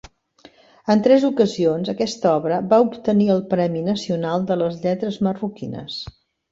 En tres ocasions aquesta obra va obtenir el Premi Nacional de les Lletres Marroquines.